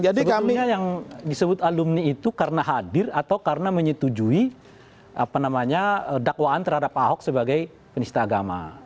sebetulnya yang disebut alumni itu karena hadir atau karena menyetujui dakwaan terhadap ahok sebagai penista agama